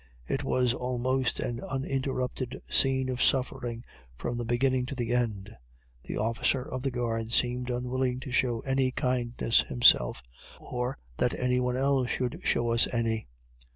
It was almost an uninterrupted scene of suffering from the beginning to the end. The officer of the guard seemed unwilling to show any kindness himself, or that any one else should show us any.